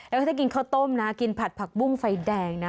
แล้วก็ถ้ากินข้าวต้มนะกินผัดผักบุ้งไฟแดงนะ